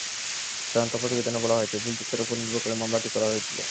চূড়ান্ত প্রতিবেদনে বলা হয়েছে, ভুল তথ্যের ওপর নির্ভর করে মামলাটি করা হয়েছিল।